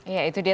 ya itu dia